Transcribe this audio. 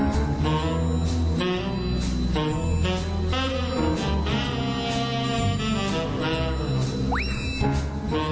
ขอเพียงแค่ฝันให้ใกลและไปให้ทิ้งที่จุดหมาย